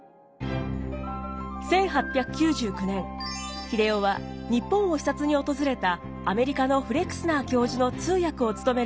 １８９９年英世は日本を視察に訪れたアメリカのフレクスナー教授の通訳を務めることになります。